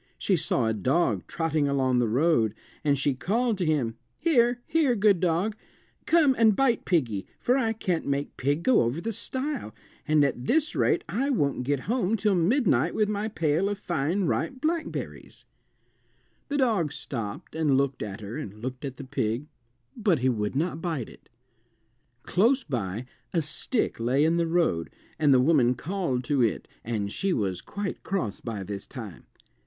She saw a dog trotting along the road, and she called to him. "Here! here, good dog; come and bite piggy, for I can't make pig go over the stile, and at this rate I won't get home till midnight with my pail of fine ripe blackberries." The dog stopped and looked at her and looked at the pig, but he would not bite it. [Illustration: THE PIG WOULD NOT GO OVER THE STILE] Close by a stick lay in the road, and the woman called to it (and she was quite cross by this time).